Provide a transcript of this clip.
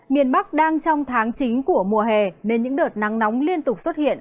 miền bắc đang trong tháng chính của mùa hè nên những đợt nắng nóng liên tục xuất hiện